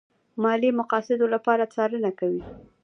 ماليې مقاصدو لپاره څارنه کوي.